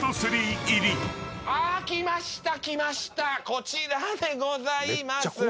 こちらでございます。